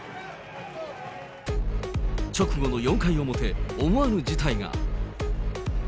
直後の４回表、思わぬ事態が。